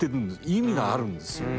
意味があるんですよね。